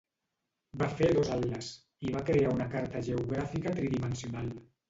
Va fer dos atles, i va crear una carta geogràfica tridimensional.